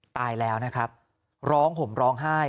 ตายแล้วนะครับร้องห่มร้องไห้